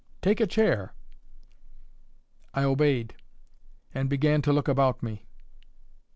Take a chair." I obeyed, and began to look about me.